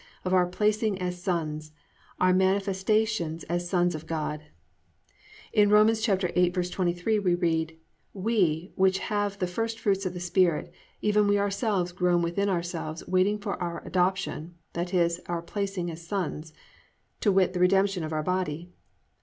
of our placing as sons, our manifestations as sons of God. In Rom. 8:23 we read: +"We, which have the first fruits of the Spirit, even we ourselves groan within ourselves, waiting for our adoption+ (i.e., our placing as sons), +to wit, the redemption of our body."